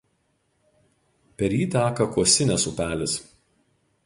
Per jį teka Kuosinės upelis.